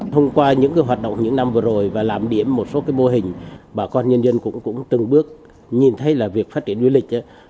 thông qua những hoạt động những năm vừa rồi và làm điểm một số mô hình bà con nhân dân cũng từng bước nhìn thấy là việc phát triển du lịch